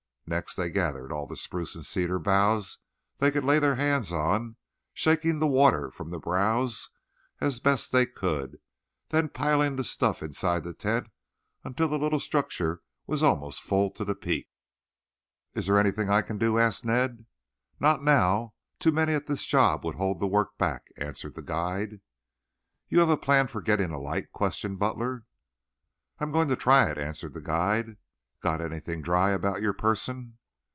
Next they gathered all the spruce and cedar boughs they could lay their hands on, shaking the water from the browse as best they could, then piling the stuff inside the tent until the little structure was almost full to the peak. "Isn't there anything I can do?" asked Ned. "Not now. Too many at this job would hold the work back," answered the guide. "You have a plan for getting a light?" questioned Butler. "I am going to try it," answered the guide. "Got anything dry about your person?"